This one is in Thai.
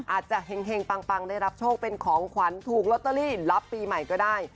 เห็งปังได้รับโชคเป็นของขวัญถูกลอตเตอรี่รับปีใหม่ก็ได้